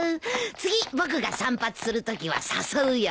次僕が散髪するときは誘うよ。